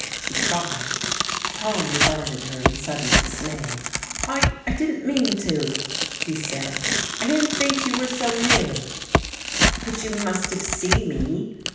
she cried. Tom regarded her in sudden dismay. "I I didn't mean to," he said. "I didn't think you were so near." "But you must have seen me."